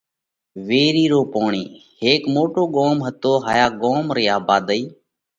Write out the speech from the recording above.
ويرِي رو پوڻِي:ھيڪ موٽو ڳوم ھتو ھايا ڳوم رئي آڀادئي